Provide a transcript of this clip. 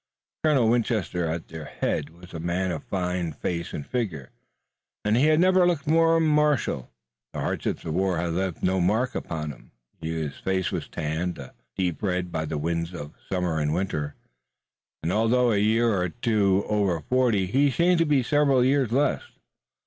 Colonel Winchester at their head was a man of fine face and figure, and he had never looked more martial. The hardships of war had left no mark upon him. His face was tanned a deep red by the winds of summer and winter, and although a year or two over forty he seemed to be several years less.